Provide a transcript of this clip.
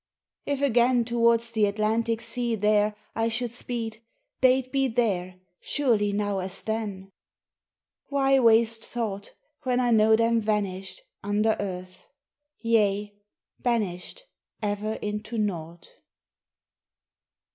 If again Towards the Atlantic sea there I should speed, they'd be there Surely now as then? ... Why waste thought, When I know them vanished Under earth; yea, banished Ever into nought.